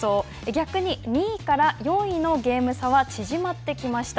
逆に２位から４位のゲーム差は、縮まってきました。